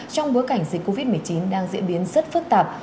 trong bối cảnh dịch covid một mươi chín đang diễn biến rất phức tạp